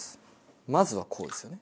まずはこうですよね。